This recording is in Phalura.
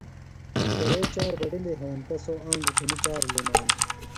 کرے چار بڈِلیۡ ہینتہ سوۡ آنگُوۡ گِھنیۡ چار لُنانوۡ۔